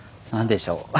何でしょう？